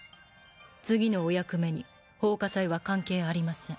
次のお役目に奉火祭は関係ありません。